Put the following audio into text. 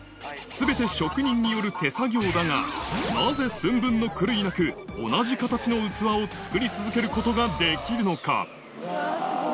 すべて職人による手作業だが、なぜ寸分の狂いなく、同じ形の器を作り続けることができるのか。